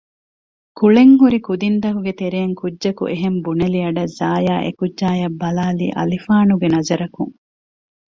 ކުޅެން ހުރި ކުދިންތަކުގެ ތެރެއިން ކުއްޖަކު އެހެން ބުނެލި އަޑަށް ޒާޔާ އެކުއްޖާއަށް ބަލާލީ އަލިފާނުގެ ނަޒަރަކުން